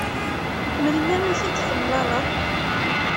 Melmi i t-id-temlaleḍ?